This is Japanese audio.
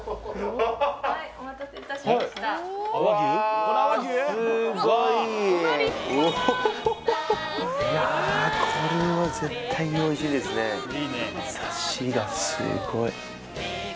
おほほいやこれは絶対においしいですねサシがすごい